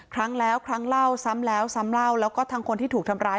ครั้งแล้วครั้งเล่าซ้ำแล้วซ้ำเล่าแล้วก็ทั้งคนที่ถูกทำร้าย